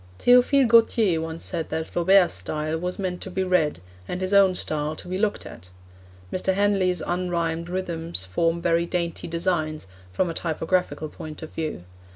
Theophile Gautier once said that Flaubert's style was meant to be read, and his own style to be looked at. Mr. Henley's unrhymed rhythms form very dainty designs, from a typographical point of view.